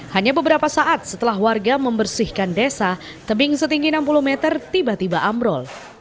hanya beberapa saat setelah warga membersihkan desa tebing setinggi enam puluh meter tiba tiba ambrol